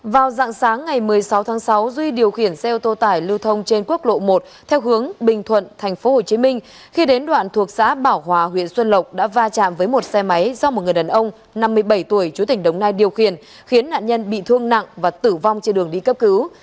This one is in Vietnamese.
vào dạng sáng ngày một mươi sáu tháng sáu duy điều khiển xe ô tô tải lưu thông trên quốc lộ một theo hướng bình thuận tp hcm khi đến đoạn thuộc xã bảo hòa huyện xuân lộc đã va chạm với một xe máy do một người đàn ông năm mươi bảy tuổi chú tỉnh đồng nai điều khiển khiến nạn nhân bị thương nặng và tử vong trên đường đi cấp cứu